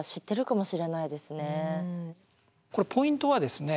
これポイントはですね